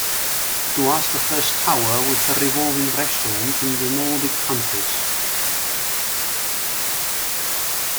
It was the first tower with a revolving restaurant in the Nordic countries.